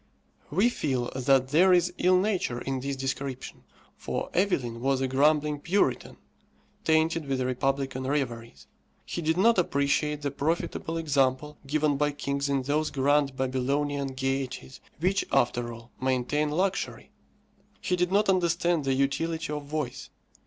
We feel that there is ill nature in this description, for Evelyn was a grumbling Puritan, tainted with republican reveries. He did not appreciate the profitable example given by kings in those grand Babylonian gaieties, which, after all, maintain luxury. He did not understand the utility of vice.